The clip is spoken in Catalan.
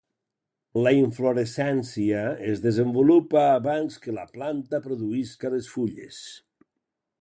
La inflorescència es desenvolupa abans que la planta produïsca les fulles.